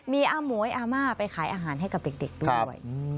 มีอาหมวยอาม่าไปขายอาหารให้กับเด็กด้วย